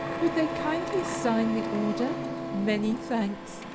Would they kindly sign the order? Many thanks!